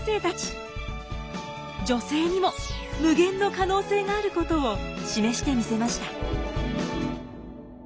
女性にも無限の可能性があることを示してみせました。